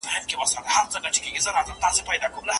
چا د غرونو چا د ښار خواته ځغستله